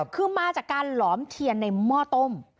คือมาจากการหลอมเทียนในหม้อต้ม